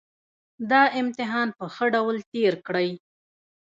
دا امتحان په ښه ډول تېر کړئ